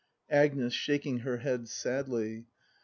Agnes. [Shaking her head sadly.